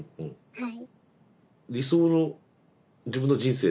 はい。